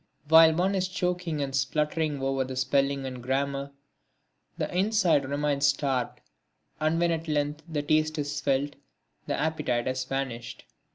While one is choking and spluttering over the spelling and grammar, the inside remains starved, and when at length the taste is felt, the appetite has vanished.